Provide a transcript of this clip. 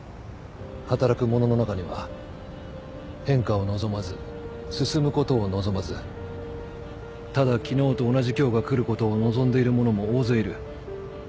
働く者の中には変化を望まず進むことを望まずただ昨日と同じ今日が来ることを望んでいる者も大勢いる。